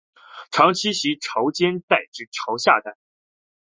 常栖息在潮间带至潮下带。